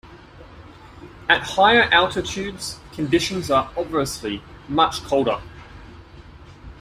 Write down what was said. At higher altitudes, conditions are obviously much colder.